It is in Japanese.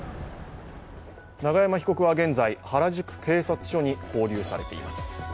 永山被告は現在、原宿警察署に拘留されています。